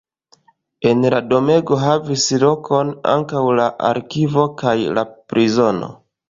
En la domego havis lokon ankaŭ la arkivo kaj la prizono.